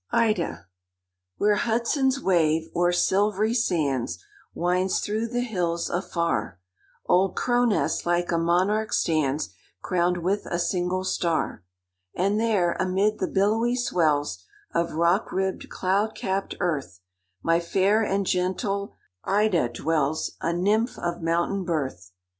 IDA. "Where Hudson's wave, o'er silvery sands, Winds through the hills afar, Old Cro'nest like a monarch stands, Crowned with a single star: And there, amid the billowy swells Of rock ribbed, cloud capt earth, My fair and gentle IDA dwells, A nymph of mountain birth.